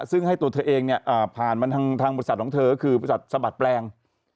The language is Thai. ซึ่งให้ตัวเธอเองเนี่ยผ่านมาทางบริษัทของเธอก็คือบริษัทสะบัดแปลง